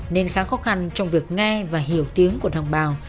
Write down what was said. nên khá khó khăn trong việc nghe và hiểu tiếng của đồng bào